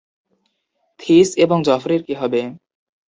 This এবং জফরির কী হবে?